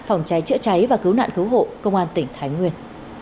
phòng cháy chữa cháy và cứu nạn cứu hộ công an tỉnh thái nguyên